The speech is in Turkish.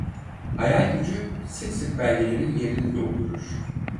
Hayal gücü sık sık belgelerin yerini doldurur.